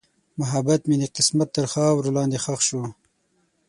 محبت مې د قسمت تر خاورو لاندې ښخ شو.